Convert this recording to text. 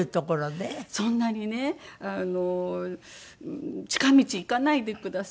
そんなにね近道行かないでくださいって。